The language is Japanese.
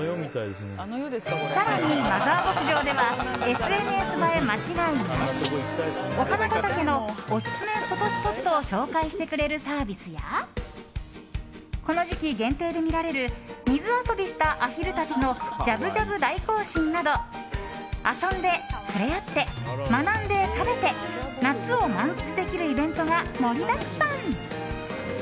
更に、マザー牧場ではＳＮＳ映え間違いなしお花畑のオススメフォトスポットを紹介してくれるサービスやこの時期限定で見られる水遊びしたアヒルたちのじゃぶじゃぶ大行進など遊んで、触れ合って学んで、食べて夏を満喫できるイベントが盛りだくさん。